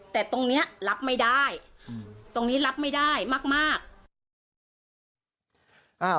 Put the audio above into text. แต่ตรงนี้รับไม่ได้ตรงนี้รับไม่ได้มาก